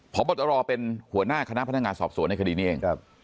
พบตรเป็นหัวหน้าคณะพนักงานสอบสวนในคดีนี้เองครับ